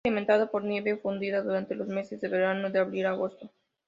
Es alimentado por nieve fundida durante los meses de verano, de abril a agosto.